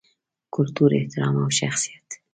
کلتور، احترام او شخصیت